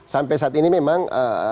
sampai saat ini memang